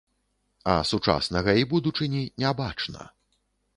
А сучаснага і будучыні не бачна.